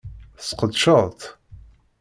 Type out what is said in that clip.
Tesqedceḍ-tt?